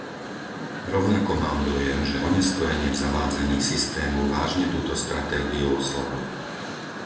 Rovnako mám dojem, že oneskorenie v zavádzaní systému vážne túto stratégiu oslabuje.